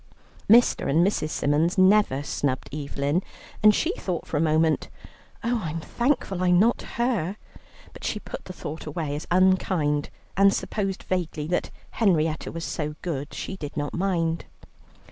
Mr. and Mrs. Symons never snubbed Evelyn, and she thought for a moment, "Oh, I'm thankful I'm not her"; but she put the thought away as unkind, and supposed vaguely that Henrietta was so good she did not mind.